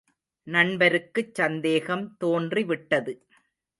நண்பருக்குச் சந்தேகம் தோன்றி விட்டது.